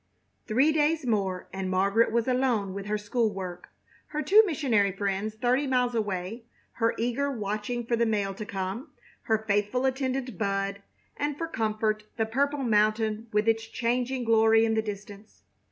Three days more and Margaret was alone with her school work, her two missionary friends thirty miles away, her eager watching for the mail to come, her faithful attendant Bud, and for comfort the purple mountain with its changing glory in the distance.